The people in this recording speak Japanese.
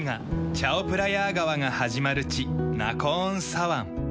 チャオプラヤー川が始まる地ナコーンサワン。